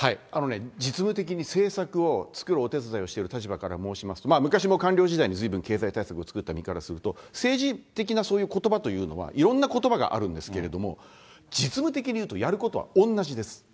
実務的に政策を作るお手伝いをしている立場から申しますと、昔の官僚時代にずいぶん経済対策を作った身からすると、政治的なことばというのはいろんなことばがあるんですけれども、実務的に言うと、やることは同じです。